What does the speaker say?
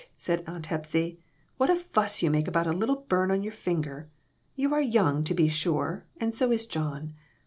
said Aunt Hepsy ; "what a fuss you make about a little burn on your finger. You are young, to be sure ; and so is John.